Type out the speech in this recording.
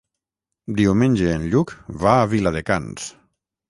Diumenge en Lluc va a Viladecans.